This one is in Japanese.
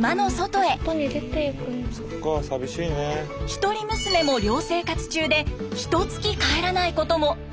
一人娘も寮生活中でひと月帰らないことも。